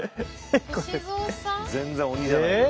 全然鬼じゃないよ。